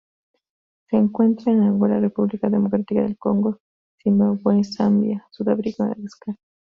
Se encuentra en Angola República Democrática del Congo Zimbabue Zambia, Sudáfrica y Madagascar.